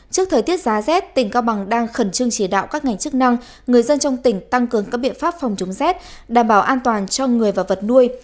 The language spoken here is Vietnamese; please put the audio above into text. trước thời tiết giá rét tỉnh cao bằng đang khẩn trương chỉ đạo các ngành chức năng người dân trong tỉnh tăng cường các biện pháp phòng chống rét đảm bảo an toàn cho người và vật nuôi